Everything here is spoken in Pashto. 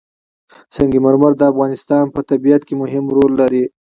سنگ مرمر د افغانستان په طبیعت کې مهم رول لري.